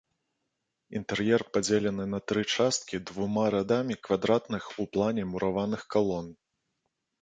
Інтэр'ер падзелены на тры часткі двума радамі квадратных у плане мураваных калон.